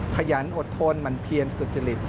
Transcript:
ขยันอดทนหมั่นเพียรสุจริต